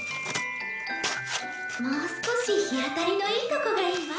もう少し日当たりのいいとこがいいわ。